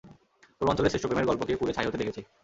পূর্বাঞ্চলের শ্রেষ্ঠ প্রেমের গল্পকে পুড়ে ছাই হতে দেখেছি।